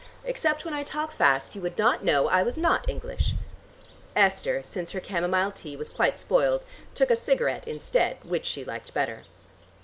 Except when I talk fast you would not know I was not English." Esther, since her camomile tea was quite spoiled, took a cigarette instead, which she liked better.